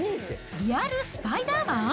リアルスパイダーマン？